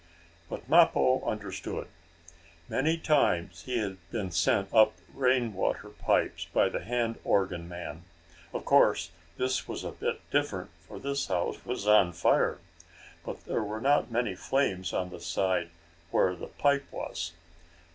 But Mappo understood. Many times he had been sent up rain water pipes by the hand organ man. Of course this was a bit different, for this house was on fire. But there were not many flames on the side where the pipe was.